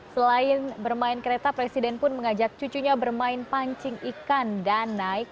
selain bermain kereta presiden pun mengajak cucunya bermain pancing ikan dan naik